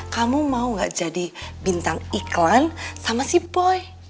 kamu mau gak jadi bintang iklan sama si poi